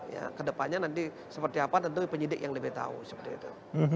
ya kedepannya nanti seperti apa tentu penyidik yang lebih tahu seperti itu